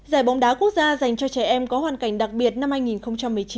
giải bóng đá quốc gia dành cho trẻ em có hoàn cảnh đặc biệt năm hai nghìn một mươi chín